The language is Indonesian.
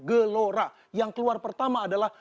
gelora yang keluar pertama adalah